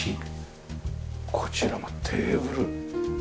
こちらがテーブル。